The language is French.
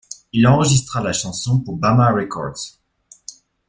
Il enregistra la chanson pour Bama Records.